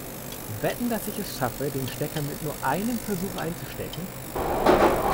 Wetten, dass ich es schaffe, den Stecker mit nur einem Versuch einzustecken?